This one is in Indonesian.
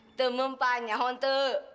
itu memang banyak itu